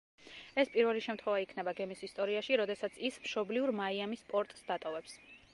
ეს პირველი შემთხვევა იქნება გემის ისტორიაში, როდესაც ის მშობლიურ მაიამის პორტს დატოვებს.